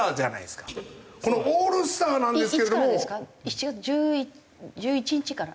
７月１１日から？